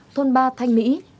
thôn ba thanh mỹ